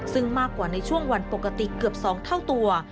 ซึ่งมากกว่าในช่วงวันปกติเกือบ๒เท่าตัว